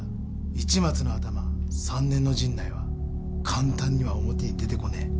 市松のアタマ３年の陣内は簡単には表に出てこねえ。